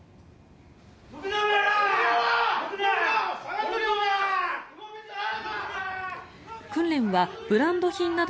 動くな！